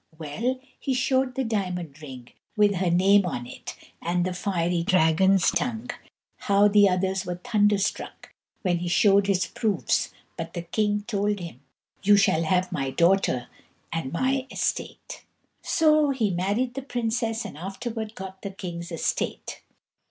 Well, he showed the diamond ring with her name on it, and the fiery dragon's tongue. How the others were thunderstruck when he showed his proofs! But the king told him: "You shall have my daughter and my estate." So he married the princess, and afterwards got the king's estate.